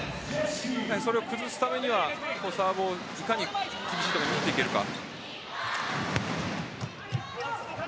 それを崩すためにはサーブをいかに苦しいところに持っていけるか。